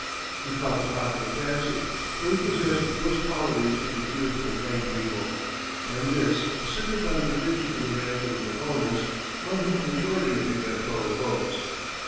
He caught the popular fancy, for he possessed those qualities which appeal to the plain people, and this, assisted by the division in the ranks of his opponents, won him a majority of the electoral votes.